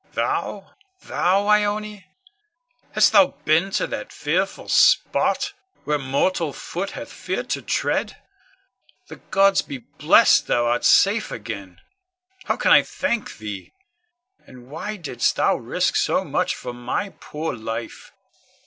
Thou, thou, Ione? Hast thou been to that fearful spot, where mortal foot hath feared to tread? The gods be blessed, thou art safe again! How can I thank thee? Ah, why didst thou risk so much for my poor life?